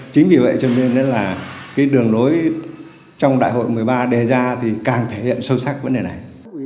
chính vì vậy cho nên là cái đường lối trong đại hội một mươi ba đề ra thì càng thể hiện sâu sắc vấn đề này